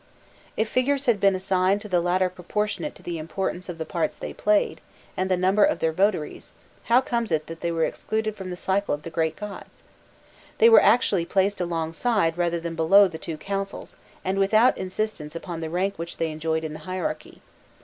If figures had been assigned to the latter proportionate to the importance of the parts they played, and the number of their votaries, how comes it that they were excluded from the cycle of the great gods? They were actually placed alongside rather than below the two councils, and without insistence upon the rank which they enjoyed in the hierarchy.